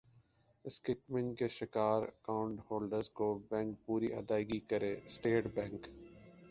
skimming کے شکار account holders کو بینک پوری ادائیگی کرے اسٹیٹ بینک